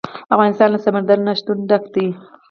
افغانستان له سمندر نه شتون ډک دی.